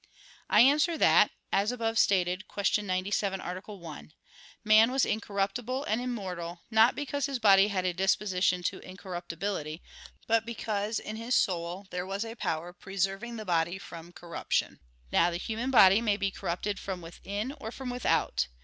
I answer that, As above stated (Q. 97, A. 1), Man was incorruptible and immortal, not because his body had a disposition to incorruptibility, but because in his soul there was a power preserving the body from corruption. Now the human body may be corrupted from within or from without.